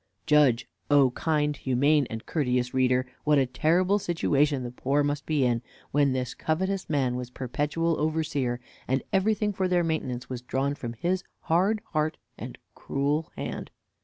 Judge, O kind, humane, and courteous reader, what a terrible situation the poor must be in, when this covetous man was perpetual overseer, and everything for their maintenance was drawn from his hard heart and cruel hand.